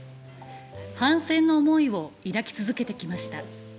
反戦の思いを抱き続けてきました。